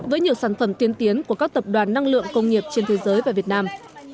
với nhiều sản phẩm tiên tiến của các tập đoàn năng lượng công nghiệp trên thế giới và việt nam